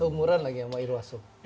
seumuran lagi sama irwas sumi